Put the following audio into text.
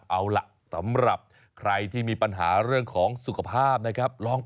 เอาล่ะสำหรับใครที่มีปัญหาเรื่องของสุขภาพนะครับ